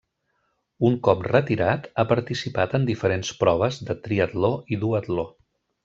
Un cop retirat ha participat en diferents proves de triatló i duatló.